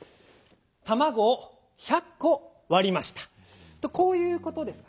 「たまごを１００こわりました」とこういうことですね？